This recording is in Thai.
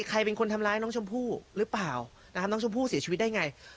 ใครเป็นคนทำร้ายน้องชมพู่หรือเปล่านะครับน้องชมพู่เสียชีวิตได้ไง